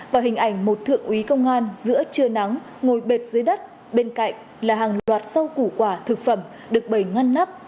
và hình ảnh một thượng úy công an giữa trưa nắng ngồi bệt dưới đất bên cạnh là hàng loạt rau củ quả thực phẩm được bày ngăn nắp